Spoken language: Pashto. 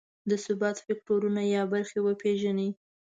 د ثبات فکټورونه یا برخې وپېژني.